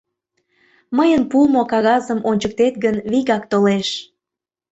Мыйын пуымо кагазым ончыктет гын, вигак толеш.